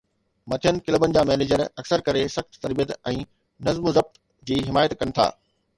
مٿين ڪلبن جا مينيجر اڪثر ڪري سخت تربيت ۽ نظم و ضبط جي حمايت ڪن ٿا.